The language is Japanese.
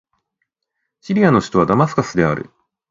シリアの首都はダマスカスである